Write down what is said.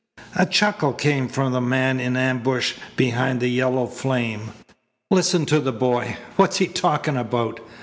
A chuckle came from the man in ambush behind the yellow flame. "Listen to the boy! What's he talking about?